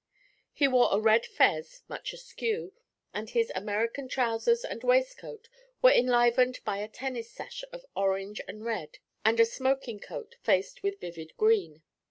He wore a red fez, much askew, and his American trousers and waistcoat were enlivened by a tennis sash of orange and red and a smoking coat faced with vivid green.